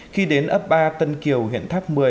khi đến ấp ba tân kiều huyện tháp một mươi